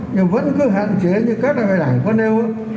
nhưng vẫn cứ hạn chế như các loại đảng có nêu